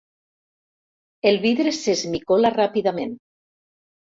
El vidre s'esmicola ràpidament.